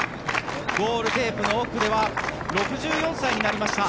ゴールテープの奥では６４歳になりました